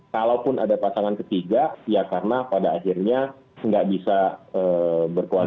kalaupun ada pasangan ketiga ya karena pada akhirnya nggak bisa berkoalisi